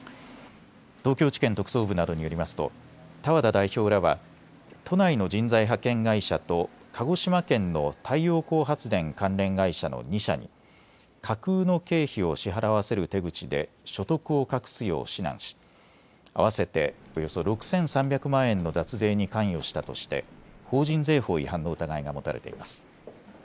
東京地検特捜部などによりますと多和田代表らは都内の人材派遣会社と鹿児島県の太陽光発電関連会社の２社に架空の経費を支払わせる手口で所得を隠すよう指南し合わせておよそ６３００万円の脱税に関与したとして法人税法違反の疑いが持たれています。